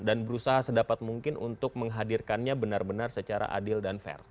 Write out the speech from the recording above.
dan berusaha sedapat mungkin untuk menghadirkannya benar benar secara adil dan fair